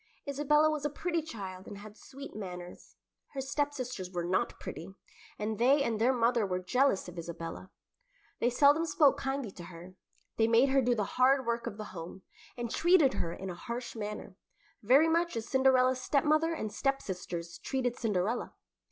Isabella was a pretty child and had sweet manners. Her stepsisters were not pretty, and they and their mother were jealous of Isabella. They seldom spoke kindly to her; they made her do the hard work of the home, and treated her in a harsh manner, very much as Cinderella's stepmother and stepsisters treated Cinderella.